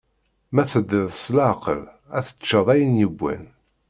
Ma teddiḍ s laɛqel, ad teččeḍ ayen yewwan.